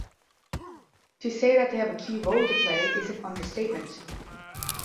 To say that they have a key role to play is an understatement.